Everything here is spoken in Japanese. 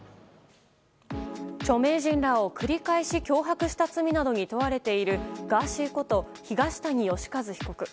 著名人らを繰り返し脅迫した罪などに問われているガーシーこと東谷義和被告。